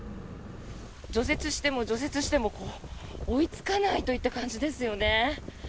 除雪しても除雪しても追いつかないといった感じですよね。